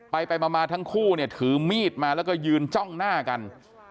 ไปมาทั้งคู่เนี่ยถือมีดมาแล้วก็ยืนจ้องหน้ากัน